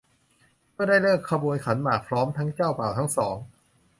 เมื่อได้ฤกษ์ขบวนขันหมากพร้อมทั้งเจ้าบ่าวทั้งสอง